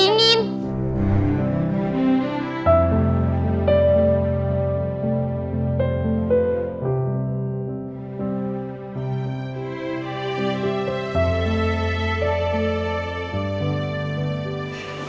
iya bu kan dingin